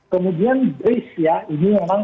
kemudian grace ya ini memang